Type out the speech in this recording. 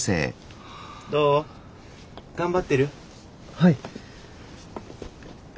はい。